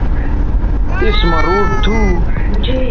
اس مہ روڈ تھو